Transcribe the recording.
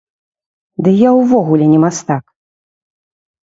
Ды я ўвогуле не мастак!